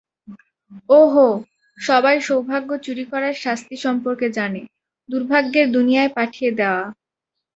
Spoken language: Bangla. ও-হো, সবাই সৌভাগ্য চুরি করার শাস্তি সম্পর্কে জানে, দুর্ভাগ্যের দুনিয়ায় পাঠিয়ে দেয়া।